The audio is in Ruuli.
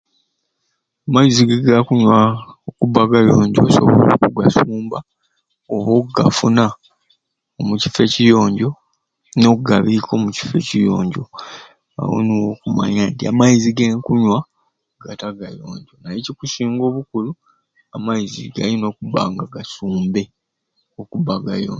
Amaizi gagakunywa okubba agayonjo osooka ku gasumba oba okugafuna omukifo ekiyonjo n'oggabiika omukifo ekiyonjo awo nimwo okumanya nti amaizi genkunywa gata gayonjo naye ekisinga obukulu amaizi galina okubba nga gasumbe okubba agayonjo.